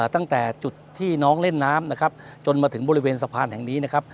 ตั้งแต่จุดที่น้องเล่นน้ำนะครับจนมาถึงบริเวณสะพานแห่งนี้นะครับ